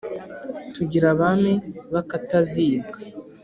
tugira abami b’akatazibwa